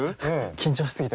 緊張し過ぎて。